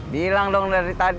bilang dong dari tadi